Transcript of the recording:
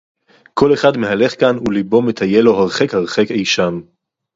כֹּל אֶחָד מַהֲלָךְ כָּאן וְלִבּוֹ מְטַיֵּל לוֹ הַרְחֵק הַרְחֵק אִי שָׂם